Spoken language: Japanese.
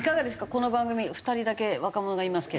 この番組２人だけ若者がいますけど。